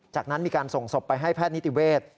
จากนั้นมีการส่งศพไปให้แพทย์นิติเวศ